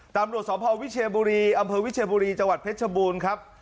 ตำรวจสพวิเชียบุรีอำเภอวิเชียบุรีจังหวัดเพชรบูรณ์ครับ